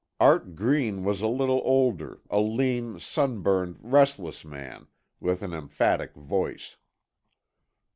Art Green was a little older, a lean, sunburned, restless man with an emphatic voice.